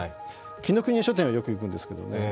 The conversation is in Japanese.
紀伊國屋書店はよく行くんですけどね。